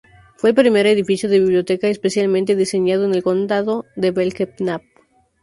Fue el primer edificio de biblioteca especialmente diseñado en el condado de Belknap.